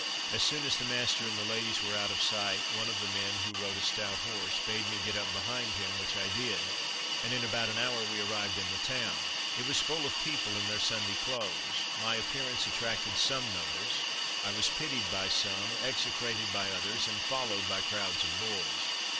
As soon as the master and the ladies were out of sight, one of the men, who rode a stout horse, bade me get up behind him, which I did, and in about an hour we arrived in the town. It was full of people in their Sunday clothes. My appearance attracted some notice, I was pitied by some, execrated by others, and followed by crowds of boys.